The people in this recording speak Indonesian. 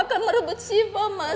aku akan merebut shiva mas